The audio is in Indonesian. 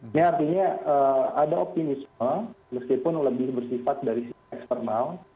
ini artinya ada optimisme meskipun lebih bersifat dari sisi eksternal